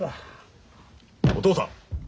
お父さん！